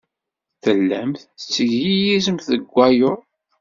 Tellam tetteglilizem deg waluḍ.